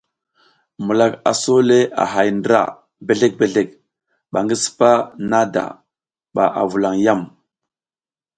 Milak a so le a hay ndra bezlek bezlek ba ngi sipa nada mba a vulan yam.